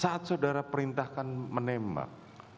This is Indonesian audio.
saat saudara perintahkan menembak